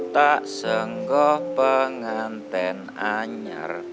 ta senggoh penganten anjar